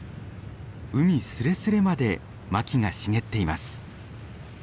海すれすれまでマキが茂っています。